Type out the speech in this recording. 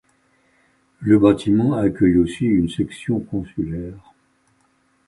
Le bâtiment accueille aussi une section consulaire.